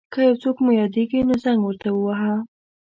که یو څوک مو یاديږي نو زنګ ورته وواهه.